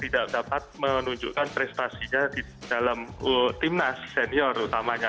tidak dapat menunjukkan prestasinya di dalam timnas senior utamanya